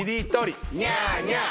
ニャーニャー。